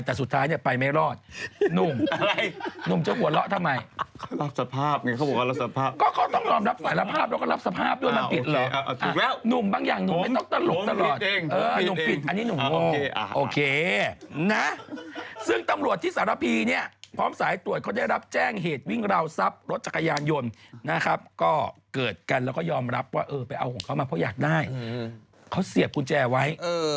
แต่สุดท้ายไปไม่รอดนุ่มนุ่มเจ้าหัวเราะทำไม